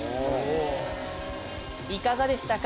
いかがでしたか？